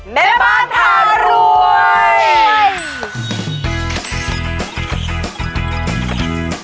แม่บ้านพารวย